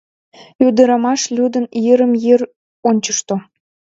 Ӱдырамаш, лӱдын, йырым-йыр ончышто.